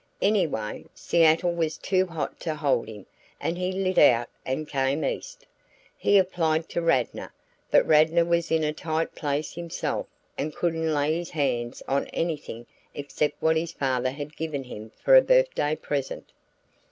Anyway, Seattle was too hot to hold him and he lit out and came East. He applied to Radnor, but Radnor was in a tight place himself and couldn't lay his hands on anything except what his father had given him for a birthday present.